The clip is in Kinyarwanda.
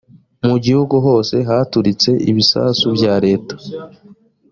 mu gihugu hose haturitse ibisasu bya leta